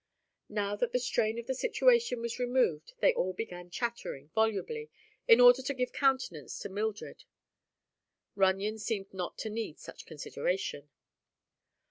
Now that the strain of the situation was removed they all began chattering volubly in order to give countenance to Mildred. Runyon seemed not to need such consideration.